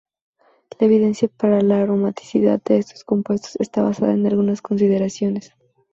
La evidencia para la aromaticidad de estos compuestos está basada en algunas consideraciones.